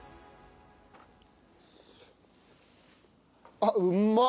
あっうまっ！